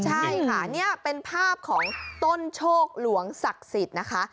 ใช่ค่ะนี่เป็นภาพของต้นโชคหลวงศักดิ์สิทธิ์นะคะ